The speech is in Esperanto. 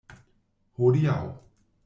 Hodiaŭ.